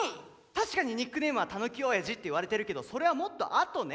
確かにニックネームは「たぬきおやじ」っていわれてるけどそれはもっとあとね。